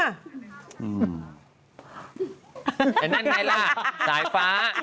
นั่นไงล่ะสายฟ้า